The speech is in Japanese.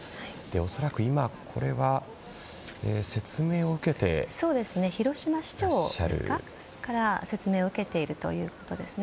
恐らく今、これは広島市長から説明を受けているということですね。